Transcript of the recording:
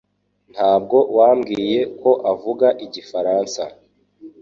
Ntabwo wambwiye ko avuga igifaransa